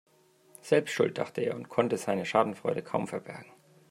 Selbst schuld, dachte er und konnte seine Schadenfreude kaum verbergen.